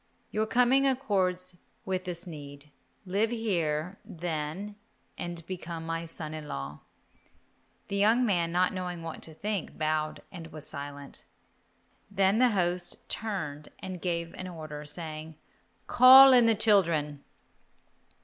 Your coming accords with this need. Live here, then, and become my son in law." The young man, not knowing what to think, bowed and was silent. Then the host turned and gave an order, saying, "Call in the children."